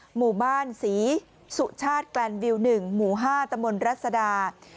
หมู่บ้านศรีสุชาติแกลนวิว๑หมู่๕ตมรัศดา